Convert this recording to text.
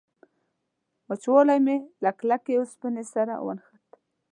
وچولی مې له کلکې اوسپنې سره ونښت.